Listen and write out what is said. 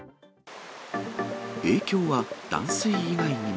影響は断水以外にも。